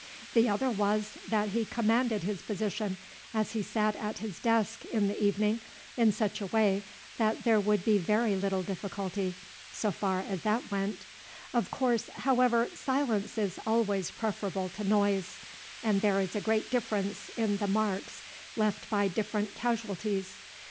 The other was, that he commanded his position, as he sat at his desk in the evening, in such a way that there would be very little difficulty, so far as that went; of course, however, silence is always preferable to noise, and there is a great difference in the marks left by different casualties.